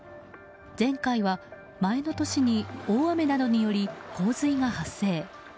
前回は、前の年に大雨などにより洪水が発生。